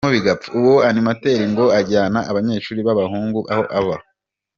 Uwo Animateri ngo ajyana abanyeshuri b’abahungu aho aba.